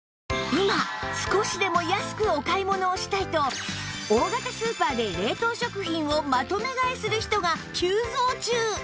今少しでも安くお買い物をしたいと大型スーパーで冷凍食品をまとめ買いする人が急増中！